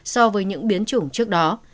so với những biến chủng trước đó